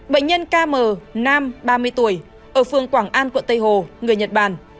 bệnh nhân km ba mươi tuổi ở phường quảng an quận tây hồ người nhật bản